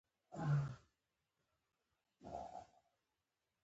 پلی سړی یو څه هوسا وي.